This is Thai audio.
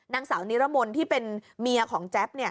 นางสาวนิรมนต์ที่เป็นเมียของแจ๊บ